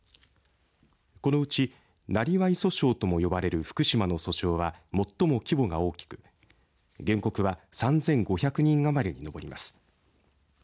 このうち、生業訴訟ともいわれる福島の訴訟は最も規模が大きく原告は３５００人余りに上ります。